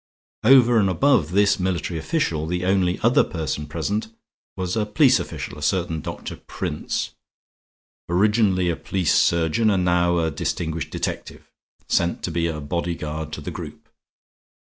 Over and above this military official, the only other person present was a police official, a certain Doctor Prince, originally a police surgeon and now a distinguished detective, sent to be a bodyguard to the group.